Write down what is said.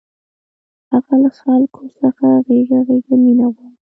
هغه له خلکو څخه غېږه غېږه مینه غواړي